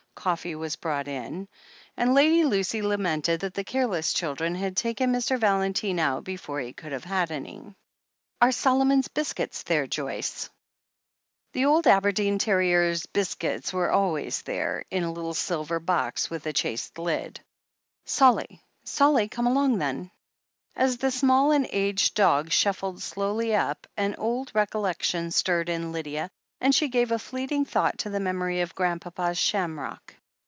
Coffee was brought in, and Lady Lucy lamented that the careless children had taken Mr. Valentine out before he could have had any. "Are Solomon's biscuits there, Joyce?" The old Aberdeen terrier's biscuits were always there, in a little silver box with a chased lid. "Solly — Solly— come along, then!" As the small and aged dog shuffled slowly up, an old recollection stirred in Lydia, and she gave a fleeting thought to the memory of Grandpapa's Shamrock.